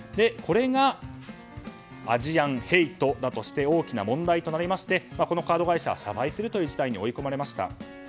これがアジアンヘイトだとして大きな問題となりましてこのカード会社謝罪するという事態に追い込まれました。